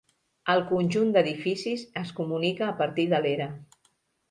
El conjunt d'edificis es comunica a partir de l'era.